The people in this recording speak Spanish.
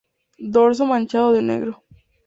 Dorso manchado de negro.